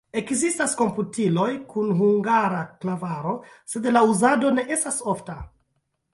Ekzistas komputiloj kun hungara klavaro, sed la uzado ne estas ofta.